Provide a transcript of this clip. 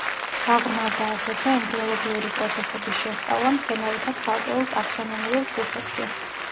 გაღრმავდა აგრეთვე ემბრიოლოგიური პროცესების შესწავლა მცენარეთა ცალკეულ ტაქსონომიურ ჯგუფებში.